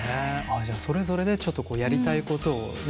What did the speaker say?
じゃあそれぞれでちょっとやりたいことをね。